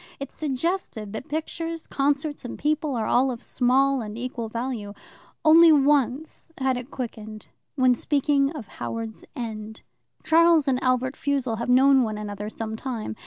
It suggested that pictures, concerts, and people are all of small and equal value. Only once had it quickened when speaking of Howards End. "Charles and Albert Fussell have known one another some time.